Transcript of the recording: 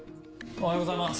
おはようございます。